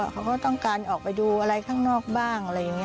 เขาก็ต้องการออกไปดูอะไรข้างนอกบ้างอะไรอย่างนี้